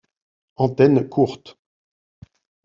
Antennes courtes.